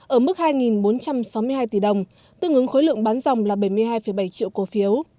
ở mức hai bốn trăm sáu mươi hai tỷ đồng tương ứng khối lượng bán dòng là bảy mươi hai bảy triệu cổ phiếu